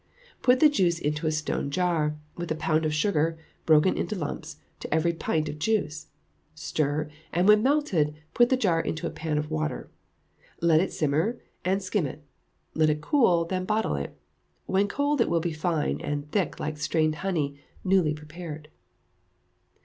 Put the juice into a stone jar, with a pound of sugar, broken into lumps, to every pint of juice; stir, and when melted, put the jar into a pan of water; let it simmer, and skim it; let it cool, then bottle it; when cold it will be fine, and thick, like strained honey, newly prepared.